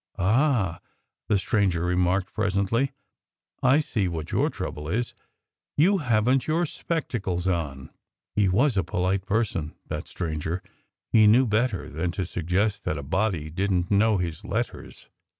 "Ah!" the stranger remarked presently. "I see what your trouble is. You haven't your spectacles on!" He was a polite person that stranger. He knew better than to suggest that a body didn't know his letters!